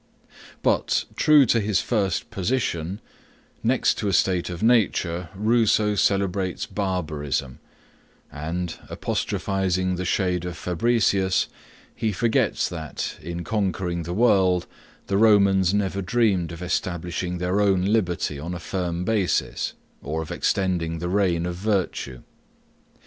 But, true to his first position, next to a state of nature, Rousseau celebrates barbarism, and, apostrophizing the shade of Fabricius, he forgets that, in conquering the world, the Romans never dreamed of establishing their own liberty on a firm basis, or of extending the reign of virtue.